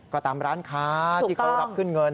ก็ตามร้านค้าที่เขารับขึ้นเงิน